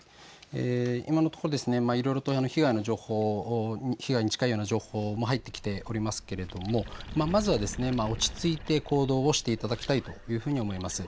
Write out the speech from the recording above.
今のところいろいろと被害の情報、被害に近いような情報も入ってきておりますけれども、まずは落ち着いて行動をしていただきたいというふうに思います。